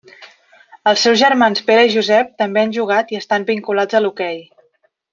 Els seus germans Pere i Josep també han jugat i estan vinculats a l'hoquei.